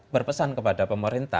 berpesan kepada pemerintah